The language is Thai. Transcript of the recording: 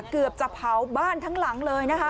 เกือบจะเผาบ้านทั้งหลังเลยนะคะ